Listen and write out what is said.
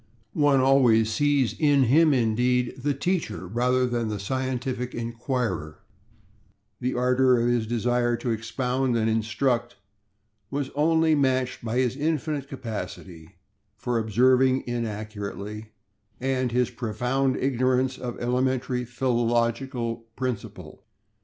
One always sees in him, indeed, the teacher rather than the scientific inquirer; the ardor of his desire to expound and instruct was only matched by his infinite capacity for observing inaccurately, and his profound ignorance of elementary philological principles.